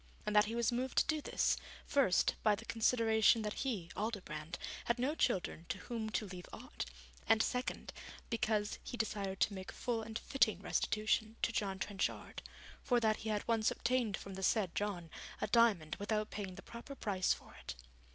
And that he was moved to do this, first, by the consideration that he, Aldobrand, had no children to whom to leave aught, and second, because he desired to make full and fitting restitution to John Trenchard, for that he had once obtained from the said John a diamond without paying the proper price for it.